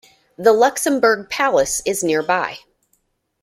The Luxembourg Palace is nearby.